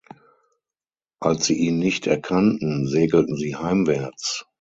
Als sie ihn nicht erkannten, segelten sie heimwärts.